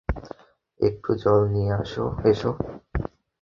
একটু জল নিয়ে এসো।